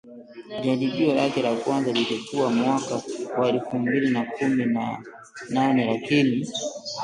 Jaribio lake la kwanza lilikuwa mwaka wa elfu mbili na kumi na nane lakini